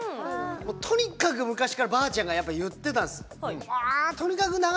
とにかく昔からばあちゃんが言ってたんです。